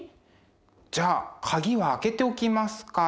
じゃあ鍵は開けておきますから。